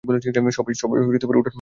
সবাই, ওঠানোর জন্য প্রস্তুত থাকো।